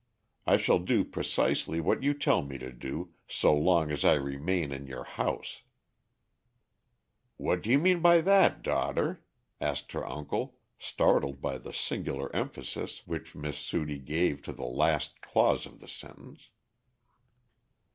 I shall do precisely what you tell me to do, so long as I remain in your house." "What do you mean by that, daughter?" asked her uncle, startled by the singular emphasis which Miss Sudie gave to the last clause of the sentence.